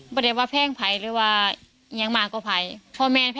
ปริศนียมยังนักไปกว่าหัน